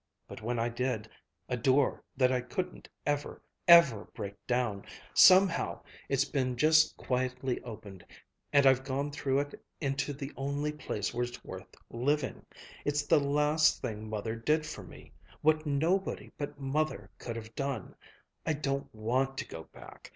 But when I did A door that I couldn't ever, ever break down somehow it's been just quietly opened, and I've gone through it into the only place where it's worth living. It's the last thing Mother did for me what nobody but Mother could have done. I don't want to go back.